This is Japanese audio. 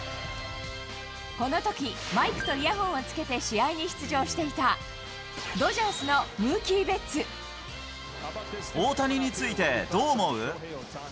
このとき、マイクとイヤホンをつけて試合に出場していた、ドジャースのムー大谷についてどう思う？